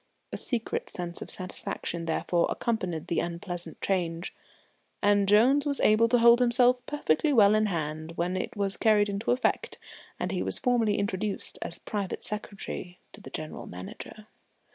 A secret sense of satisfaction, therefore, accompanied the unpleasant change, and Jones was able to hold himself perfectly well in hand when it was carried into effect and he was formally introduced as private secretary to the General Manager.